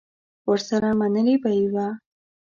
ورسره منلې به یې وه.